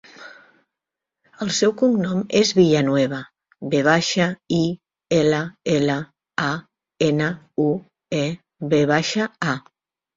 El seu cognom és Villanueva: ve baixa, i, ela, ela, a, ena, u, e, ve baixa, a.